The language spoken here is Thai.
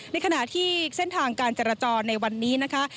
ในขณะที่เส้นทางการจราจรในวันนี้นะคะ